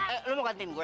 eh lu mau gantikan gue